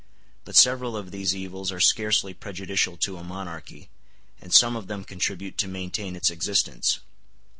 But several of these evils are scarcely prejudicial to a monarchy, and some of them contribute to maintain its existence.